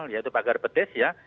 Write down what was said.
yaitu pagar petis ya